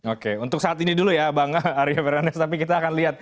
oke untuk saat ini dulu ya bang arya berane tapi kita akan lihat